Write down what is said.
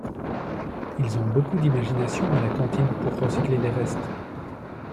Ils ont beaucoup d'imagination à la cantine pour recycler les restes.